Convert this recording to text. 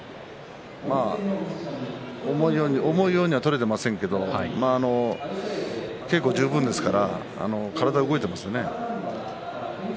思うようには取れていませんけれど稽古十分ですから体は動いていますね。